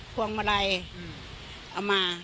พวงมาลัยเอามา